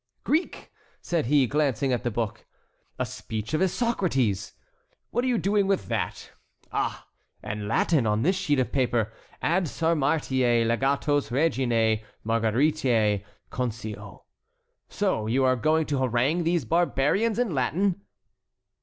"Greek!" said he, glancing at the book. "A speech of Isocrates! What are you doing with that? Ah! and Latin on this sheet of paper! Ad Sarmatiæ legatos reginæ Margaritæ concio! So you are going to harangue these barbarians in Latin?"